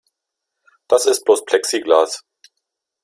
Das ist bloß Plexiglas.